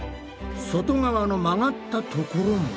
外側の曲がったところも。